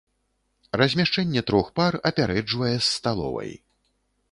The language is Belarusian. Размяшчэнне трох пар апярэджвае з сталовай.